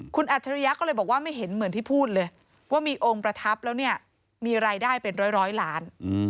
คุณอัจฉริยะก็เลยบอกว่าไม่เห็นเหมือนที่พูดเลยว่ามีองค์ประทับแล้วเนี่ยมีรายได้เป็นร้อยล้าน